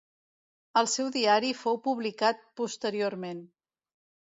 El seu diari fou publicat posteriorment.